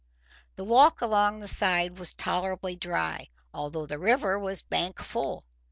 The walk along the side was tolerably dry, although the river was bank full.